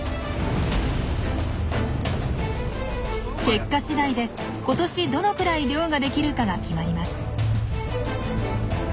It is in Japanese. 結果次第で今年どのくらい漁ができるかが決まります。